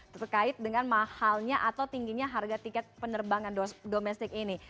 terkait dengan mahalnya atau tingginya harga tiket penerbangan domestik ini